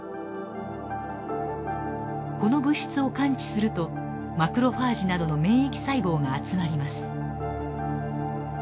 この物質を感知するとマクロファージなどの免疫細胞が集まります。